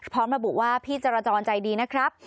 พร้อมระบุว่าพี่จรจรใจดีนะครับ